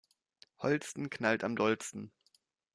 Holsten knallt am dollsten.